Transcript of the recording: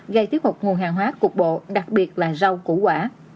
gây tiếp hụt nguồn hàng hóa cục bộ đặc biệt là rau củ quả